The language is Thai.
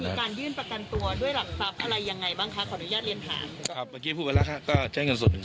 ลาเพื่อลาอีกเยอะ